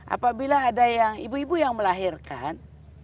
apabila ada yang ibu ibu yang melahirkan